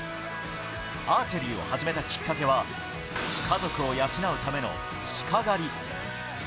アーチェリーを始めたきっかけは家族を養うための鹿狩り。